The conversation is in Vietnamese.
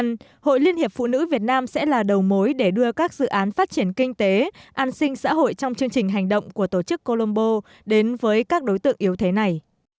tuy nhiên hội liên hiệp phụ nữ việt nam sẽ là đầu mối để đưa các dự án phát triển kinh tế an sinh xã hội trong chương trình hành động của tổ chức colombo đến với các đối tượng yếu thế này